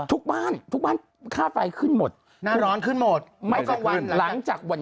ทุกบ้านทุกบ้านค่าไฟขึ้นหมดหน้าร้อนขึ้นหมดไม่กลางวันหลังจากวัน